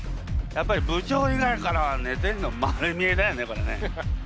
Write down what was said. やっぱり部長以外からは寝てるの丸見えだよねこれね。